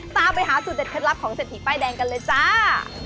ตามไปหาสูตรเด็ดเคล็ดลับของเศรษฐีป้ายแดงกันเลยจ้า